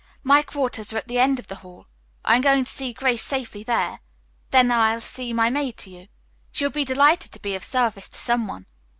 My quarters are at the end of the hall. I am going to see Grace safely there, then I'll send my maid to you. She will be delighted to be of service to some one.